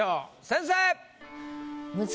先生！